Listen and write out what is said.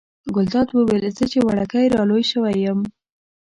ګلداد وویل زه چې وړوکی را لوی شوی یم.